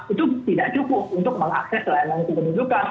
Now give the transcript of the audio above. itu tidak cukup untuk mengakses data kepemudukan